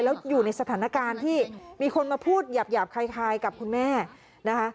แล้วอยู่ในสถานการณ์ที่มีคนมาพูดหยาบคล้ายกับคุณแม่นะคะ